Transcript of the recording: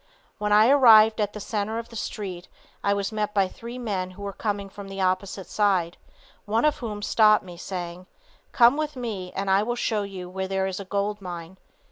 When I arrived at the center of the street I was met by three men who were coming from the opposite side, one of whom stopped me, saying: "Come with me and I will show you where there is a gold mine."